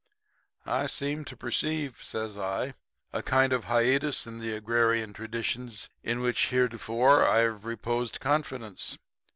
"'I seem to perceive,' says I, 'a kind of hiatus in the agrarian traditions in which heretofore, I have reposed confidence.'